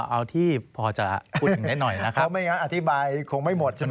เอาที่พอจะพูดถึงได้หน่อยนะครับไม่งั้นอธิบายคงไม่หมดใช่ไหม